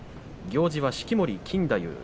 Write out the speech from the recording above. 行司は式守錦太夫。